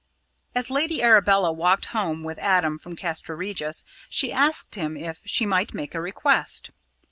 As Lady Arabella walked home with Adam from Castra Regis, she asked him if she might make a request.